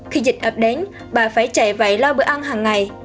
khi dịch ập đến bà phải chạy vậy lo bữa ăn hàng ngày